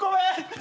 何？